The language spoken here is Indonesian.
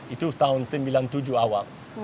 itu tahun seribu sembilan ratus sembilan puluh tujuh awal